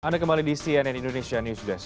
anda kembali di cnn indonesia news desk